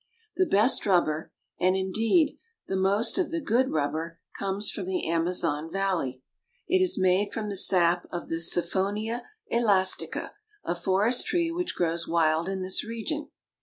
The best rubber, and indeed the most of the good rub ber, comes from the Amazon valley. It is made from the sap of the Siphonia elastica, a forest tree which grows wild in this region.